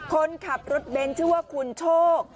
คนขับรถเบนท์ชื่อว่าคุณโชค